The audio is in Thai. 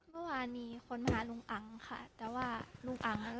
เมื่อวานมีคนมาหาลุงอังค่ะแต่ว่าลุงอังอ่ะ